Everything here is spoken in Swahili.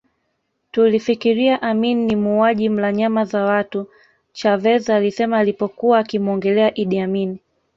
Tulifikiria Amin ni muuaji mla nyama za watu Chavez alisema alipokuwa akimuongelea Idi Amin